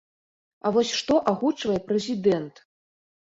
А вось што агучвае прэзідэнт?